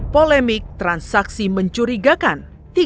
polemik transaksi mencurigakan